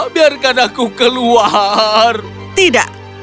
tidak sampai kau belajar untuk berhenti menggigit